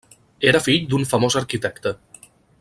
Era fill d'un famós arquitecte.